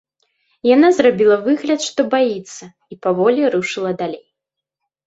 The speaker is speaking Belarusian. Яна зрабіла выгляд, што баіцца, і паволі рушыла далей.